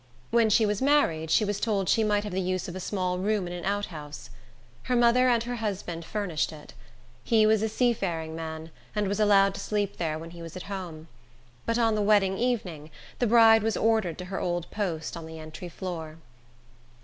When she was married, she was told she might have the use of a small room in an outhouse. Her mother and her husband furnished it. He was a seafaring man, and was allowed to sleep there when he was at home. But on the wedding evening, the bride was ordered to her old post on the entry floor.